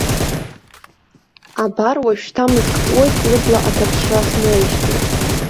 Абар уажәшьҭа мызк ҵуеит лыбла аҭаԥшра смоуижьҭеи.